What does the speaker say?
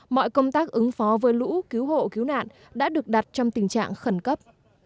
mọi công tác ứng phó với lũ cứu hộ cứu nạn đã được đặt trong tình trạng khẩn cấp